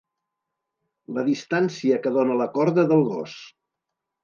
La distància que dóna la corda del gos.